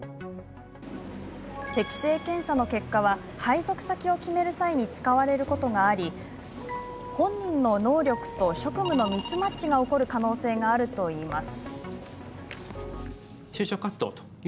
適正検査の結果は、配属先を決める際に使われることがあり本人の能力と職務のミスマッチが起こる可能性があるといいます。